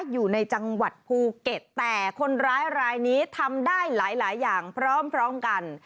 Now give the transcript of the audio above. อยู่ในจังหวัดภูเก็ตแต่คนร้ายรายนี้ทำได้หลายอย่างพร้อมกัน